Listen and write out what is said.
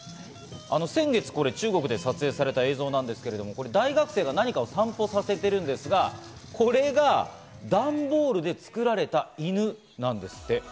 先月、これ、中国で撮影された映像なんですけれども、大学生たちが何かを散歩させているんですが、これが段ボールで作られた犬なんですって。